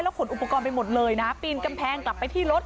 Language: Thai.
ขนอุปกรณ์ไปหมดเลยนะปีนกำแพงกลับไปที่รถ